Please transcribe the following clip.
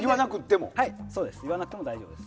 言わなくても大丈夫です。